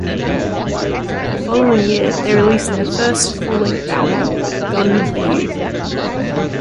The following year they released their first full-length album, "Gun For You".